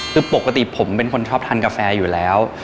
คือปกติผมเป็นคนชอบทานกาแฟอยู่แล้ว